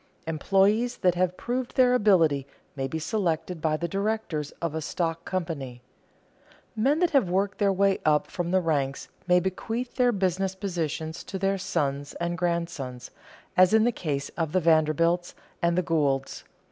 Employees that have proved their ability may be selected by the directors of a stock company. Men that have worked their way up from the ranks may bequeath their business positions to their sons and grandsons, as in the case of the Vanderbilts and the Goulds.